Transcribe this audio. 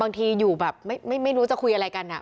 บางทีอยู่แบบไม่รู้จะคุยอะไรกันอะ